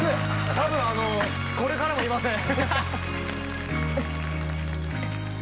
多分あのこれからもいません